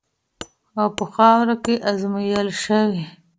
او په خاوره کې ازمویل شوې.